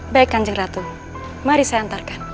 baik kanjeng ratu mari saya antarkan